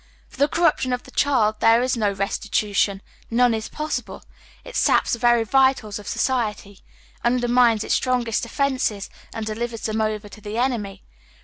For the corniption of the cliild there is no restitution. None is possible. It saps the very vitals of society ; uadennines its strongest defences, and delivers them over to the enemy.